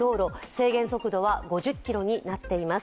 制限速度は５０キロになっています。